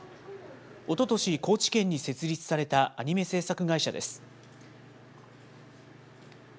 おととし、高知県に設立されたアニメ制作会社です。